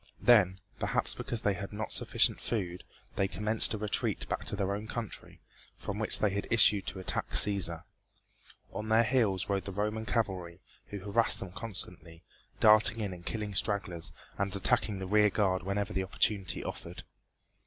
Then, perhaps because they had not sufficient food, they commenced a retreat back to their own country, from which they had issued to attack Cæsar. On their heels rode the Roman cavalry, who harassed them constantly, darting in and killing stragglers and attacking the rear guard whenever the opportunity offered.